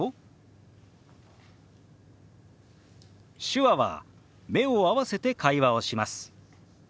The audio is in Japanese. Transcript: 手話は目を合わせて会話をします。